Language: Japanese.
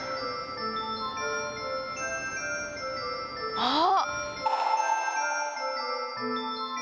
あっ！